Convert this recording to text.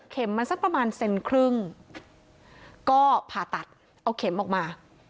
มันสักประมาณเซนครึ่งก็ผ่าตัดเอาเข็มออกมา